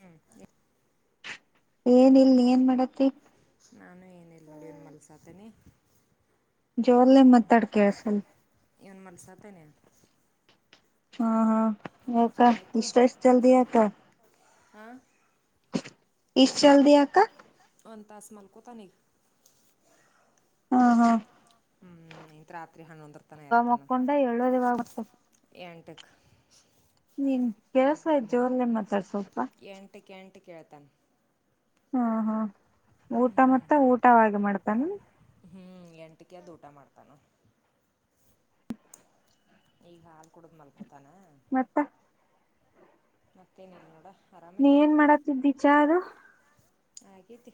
ಹ್ಮ್ ಏನ ಇಲ್ ಏನ್ ಮಾಡತಿ ನಾನು ಏನಲ್ಲ ನಡ ನ್ ಮಲ್ಸಾತನಿ ಜೋರ್ಲೆ ಮಾತಾಡ ಕಸಲ್ ಇವ್ನು ಮಲ್ಸಾತೇನೆ ಹಾ ಹಾ ಯಕ್ಕ ಇಷ್ಟಷ್ಟ ಜಲ್ದಿ ಆಕ್ಕ ಹ ಇಷ್ಟ ಚಲ್ದಿಯಕ್ಕ ಒಂದ್ ತಾಸ್ ಮಲ್ಕೋ ತಾನೆ ಹಾ ಹಾ ಹ್ಞೂ ಇಂತ ರಾತ್ರಿ ಹನ್ನೊಂದರ ತನಕ ಮುಕ್ಕೊಂಡ ಏಳದಿವಾಗತದೆ ಎಟಕ್ ನೀನ್ ಕೆಲ್ಸ ಆಯ್ ಜೋರ್ಲ್ಲ ಮಾತಾರೆ ಸ್ವಲ್ಪ ಹಟ್ಟಿಕೇಳ್ತನ್ ಹಾ ಹಾ ಊಟ ಮತ್ತೆ ಊಟವಾಗಿ ಮಾಡ್ತಾನ ಎಂಟಿಕ ಊಟ ಮಾಡ್ತಾನೋ ಈಗ ಹಾಲ್ ಕುಡುದ ಮಲ್ಕೋತಾನ ಮತ್ತ ಮತ್ತೇನಿಲ್ಲ ನೋಡ ನೀ ಆರಾಮೈತಿ ಏನ್ ಮಾಡತಿದ್ದೀಚ ಅದು ಆಗೇತಿ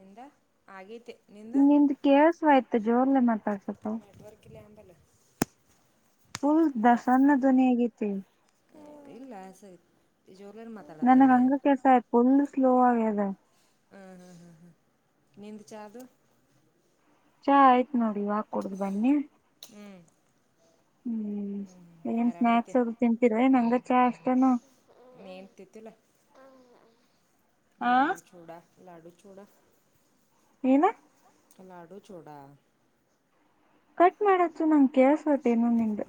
ನಿಂದ ಆಗೇತಿ ನಿಂದ ಕೇಳ್ಸಯ್ತ ಜೋರ್ಲ್ಲೇ ಮಾತಾಡ್ಸೊಪ ನೆಟ್ವರ್ಕ್ ಇಲ್ಲ ಅಂಬಲ್ಲ ತುಲ್ ದಸನ್ನ ಧ್ವನಿ ಆಗತಿ ಇಲ್ಲಸ ನನಗೆ ಅಂಗ ಕೆಸ ಆ ಪುಳ್ಳು ಸ್ಲೋವ ಆಗಿದೆ ಹ್ಮ್ ಹಾ ಹಾ ಹಾ ನಿಂದ ಚಾದು ಚಾ ಆಯ್ತ್ ನೋಡಿ ಇವಾಗ ಕುಡಿದು ಬನ್ನಿ ಹ್ಮ ಹ್ಮ್ ಏನ್ ಸ್ನಾಕ್ಸ್ ಅದೂ ತಿಂತೀರ ಏ ನಂಗ ಚಾ ಅಷ್ಟನು ನೇನ್ತಿ ತಿಲ್ಲ ಲಾಡೂ ಚೂಡ ಲಾಡೂ ಚೋಡ ಏನ ಲಾಡು ಚೋಡ ಕಟ್ ಮಾಡತ್ ನಂಗ ಕೇಸತ್ತನ್ನೊ ನಿದ